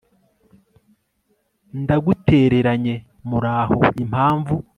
ndagutereranye; muraho, impamvu